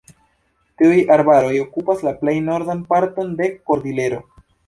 Tiuj arbaroj okupas la plej nordan parton de Kordilero.